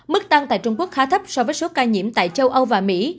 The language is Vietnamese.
mức tăng tại trung quốc khá thấp so với số ca nhiễm tại châu âu và mỹ